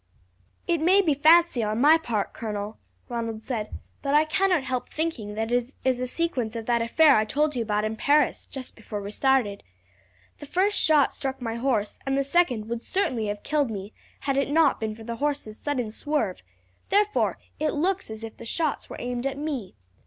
"It may be fancy on my part, colonel," Ronald said, "but I cannot help thinking that it is a sequence of that affair I told you about in Paris, just before we started. The first shot struck my horse and the second would certainly have killed me had it not been for the horse's sudden swerve, therefore it looks as if the shots were aimed at me.